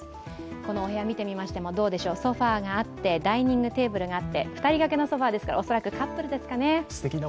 このお部屋を見てみましてもソファーがあってダイニングテーブルがあって２人がけのソファーですから、恐らくカップルでしょうかね？